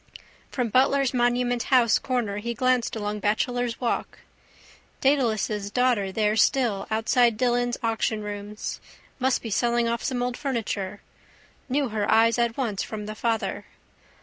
From Butler's monument house corner he glanced along Bachelor's walk. Dedalus' daughter there still outside Dillon's auctionrooms. Must be selling off some old furniture. Knew her eyes at once from the father.